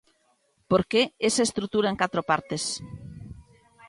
Por que esa estrutura en catro partes?